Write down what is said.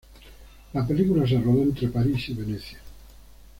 La película se rodó entre París y Venecia.